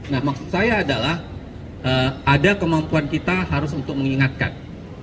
nah maksud saya adalah ada kemampuan kita harus untuk mengingatkan